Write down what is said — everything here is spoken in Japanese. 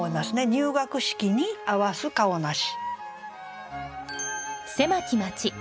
「入学式に合わす顔なし」。